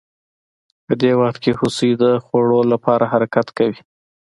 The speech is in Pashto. په دې وخت کې هوسۍ د خوړو لپاره حرکت کوي